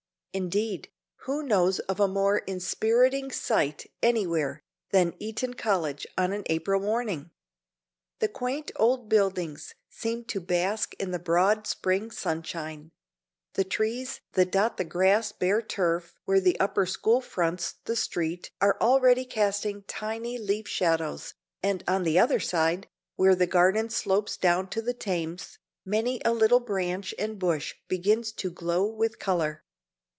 Indeed, who knows of a more inspiriting sight anywhere than Eton College on an April morning? The quaint old buildings seem to bask in the broad spring sunshine; the trees that dot the grass bare turf where the Upper School fronts the street are already casting tiny leaf shadows, and on the other side, where the garden slopes down to the Thames, many a little branch and bush begins to glow with color.